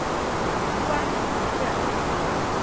观礼部政。